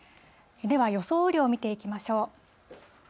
では、予想雨量見ていきましょう。